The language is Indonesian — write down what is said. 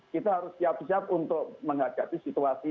kita harus siap siap untuk menghadapi situasi